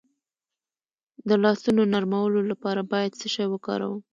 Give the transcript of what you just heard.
د لاسونو نرمولو لپاره باید څه شی وکاروم؟